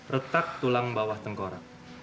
retak tulang bawah tengkorak